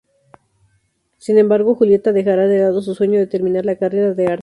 Sin embargo, Julieta dejará de lado su sueño de terminar la carrera de arte.